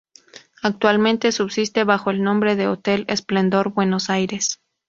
Actualmente subsiste bajo el nombre de Hotel Esplendor Buenos Aires.